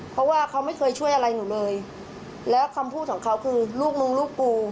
เพราะว่าเขาไม่เคยช่วยอะไรหนูเลยแล้วคำพูดของเขาคือลูกมึงลูกกู